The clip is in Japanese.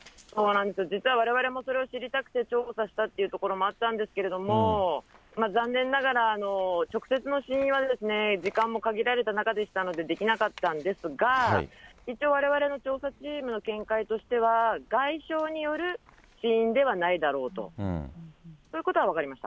実はわれわれもそれを知りたくて調査したというところもあったんですけれども、残念ながら、直接の死因は、時間も限られた中でしたのでできなかったんですが、一応われわれの調査チームの見解としては、外傷による死因ではないだろうということは分かりました。